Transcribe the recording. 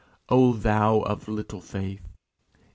O thou of little faith!